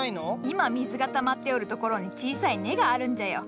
今水がたまっておるところに小さい根があるんじゃよ。